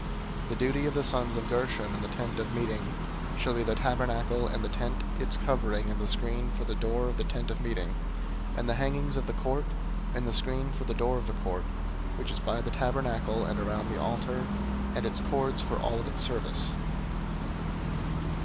003:025 The charge of the sons of Gershon in the Tent of Meeting shall be the tabernacle, and the tent, its covering, and the screen for the door of the Tent of Meeting, 003:026 and the hangings of the court, and the screen for the door of the court, which is by the tabernacle, and around the altar, and its cords for all of its service.